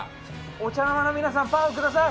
お茶の間の皆さんパワーください。